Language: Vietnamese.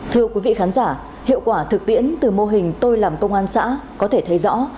thưa quý vị khán giả hiệu quả thực tiễn từ mô hình tôi làm công an xã có thể thấy rõ